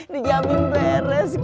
dijamin beres kang